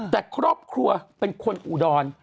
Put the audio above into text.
แต่ครอบครัวเป็นคนอุดร